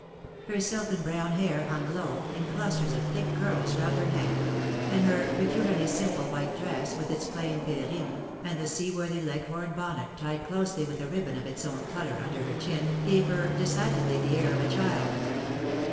Her silken brown hair hung low, in. clusters of thick curls round her neck ; and her peculiarly simple white dress, with its plain pelerine, and the seaworthy Leghorn bonnet tied closely with a ribbon of its own colour, under her chin, gave her decidedly the air of a child.